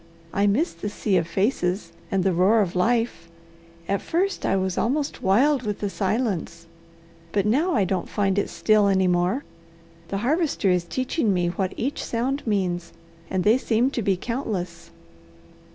I miss the sea of faces and the roar of life; at first I was almost wild with the silence, but now I don't find it still any more; the Harvester is teaching me what each sound means and they seem to be countless."